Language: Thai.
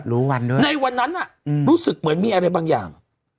วันด้วยในวันนั้นรู้สึกเหมือนมีอะไรบางอย่าง